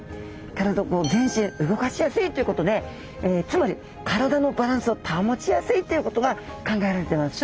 体全身動かしやすいということでつまり体のバランスを保ちやすいっていうことが考えられてます。